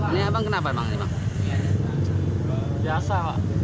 ini abang kenapa memang ini biasa